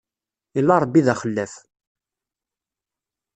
Illa Ṛebbi d axellaf.